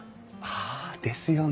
はあですよね。